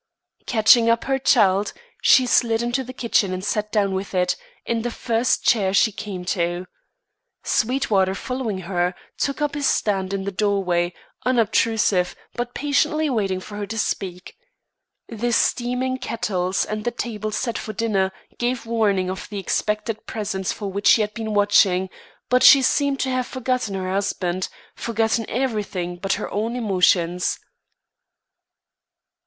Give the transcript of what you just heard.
Catching up her child, she slid into the kitchen and sat down with it, in the first chair she came to. Sweetwater following her, took up his stand in the doorway, unobtrusive, but patiently waiting for her to speak. The steaming kettles and the table set for dinner gave warning of the expected presence for which she had been watching, but she seemed to have forgotten her husband; forgotten everything but her own emotions.